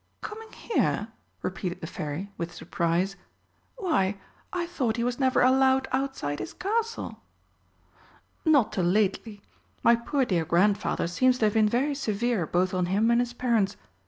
"Coming here?" repeated the Fairy, with surprise. "Why, I thought he was never allowed outside his Castle!" "Not till lately. My poor dear Grandfather seems to have been very severe both on him and his parents.